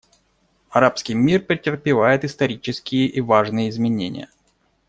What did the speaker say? Арабский мир претерпевает исторические и важные изменения.